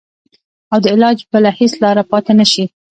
او د علاج بله هېڅ لاره پاته نه شي.